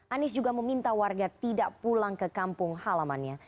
anies juga meminta warga tidak pulang ke kampung halamannya